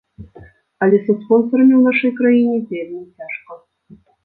Але са спонсарамі ў нашай краіне вельмі цяжка.